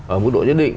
ở mức độ nhất định